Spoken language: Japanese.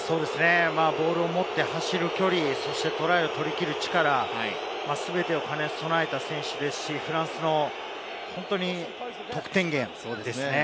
ボールを持って走る距離、トライを取り切る力、全てを兼ね備えた選手ですし、フランスの本当に得点源ですね。